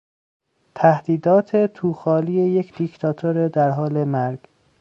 تهدیدات تو خالی یک دیکتاتور در حال مرگ